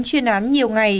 chuyên án nhiều ngày